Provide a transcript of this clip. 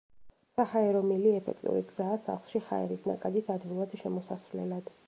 საჰაერო მილი ეფექტური გზაა სახლში ჰაერის ნაკადის ადვილად შემოსასვლელად.